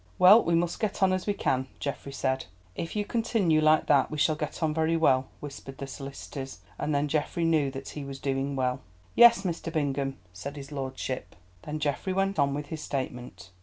"Well, we must get on as we can," Geoffrey said. "If you continue like that we shall get on very well," whispered the solicitors, and then Geoffrey knew that he was doing well. "Yes, Mr. Bingham!" said his Lordship. Then Geoffrey went on with his statement.